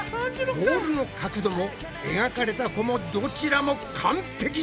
ボールの角度も描かれた弧もどちらも完璧だ！